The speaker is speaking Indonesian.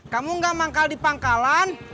kamu gak manggal di pangkalan